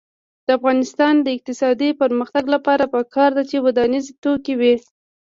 د افغانستان د اقتصادي پرمختګ لپاره پکار ده چې ودانیز توکي وي.